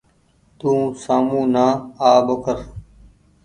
تو سآمو نآ آ ٻوکر۔